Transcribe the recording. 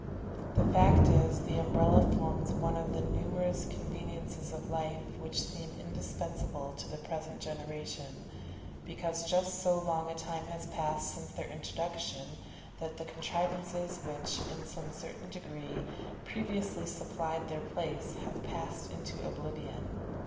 The fact is, the Umbrella forms one of the numerous conveniences of life which seem indispensable to the present generation, because just so long a time has passed since their introduction, that the contrivances which, in some certain degree, previously supplied their place, have passed into oblivion.